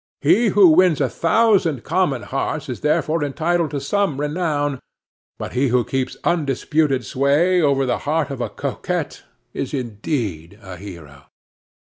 He who wins a thousand common hearts is therefore entitled to some renown; but he who keeps undisputed sway over the heart of a coquette is indeed a hero.